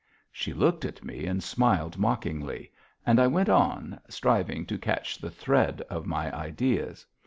She looked at me and smiled mockingly, and I went on, striving to catch the thread of my ideas.